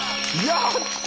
やった！